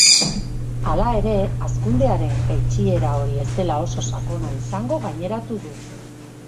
Hala ere, hazkundearen jeitsiera hori ez dela oso sakona izango gaineratu du.